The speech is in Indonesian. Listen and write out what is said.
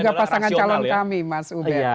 termasuk juga pasangan calon kami mas ube